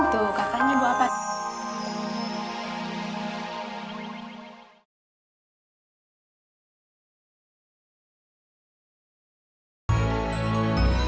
tuh katanya buat apa